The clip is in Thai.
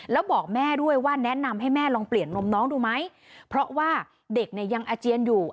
แล้วบอกแม่ด้วยว่าแนะนำให้แม่ลองเปลี่ยนนมน้องดูไหมเพราะว่าเด็กเนี่ยยังอาเจียนอยู่